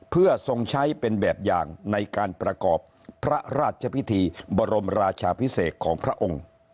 เพื่อทรงใช้เป็นแบบอย่างในการประกอบพระราชพิธีบรมราชาพิเศษของพระองค์